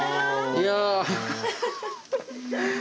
いや。